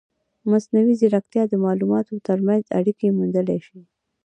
مصنوعي ځیرکتیا د معلوماتو ترمنځ اړیکې موندلی شي.